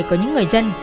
có những người dân